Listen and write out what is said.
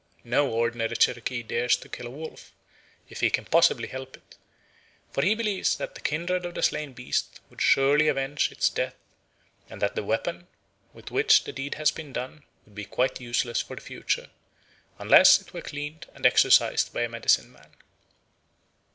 No ordinary Cherokee dares to kill a wolf, if he can possibly help it; for he believes that the kindred of the slain beast would surely avenge its death, and that the weapon with which the deed had been done would be quite useless for the future, unless it were cleaned and exorcised by a medicine man.